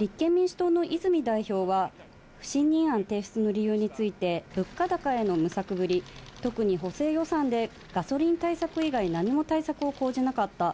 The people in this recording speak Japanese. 立憲民主党の泉代表は、不信任案提出の理由について、物価高への無策ぶり、特に補正予算でガソリン対策以外、何も対策を講じなかった。